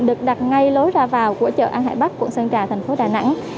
được đặt ngay lối ra vào của chợ an hải bắc quận sơn trà thành phố đà nẵng